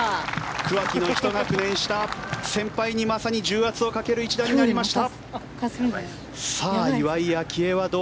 桑木の１学年下先輩にまさに重圧をかける一打になりました。